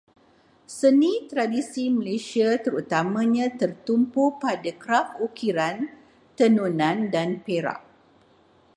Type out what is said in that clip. Seni tradisi Malaysia terutamanya tertumpu pada kraf ukiran, tenunan, dan perak.